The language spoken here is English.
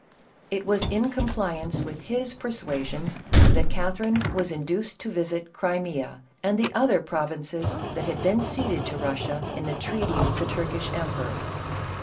It was in compliance with his persuasions that Cathe rine was induced to visit Crimea and the other provinces that had been ceded to Russia in the treaty with the Turkish emperor.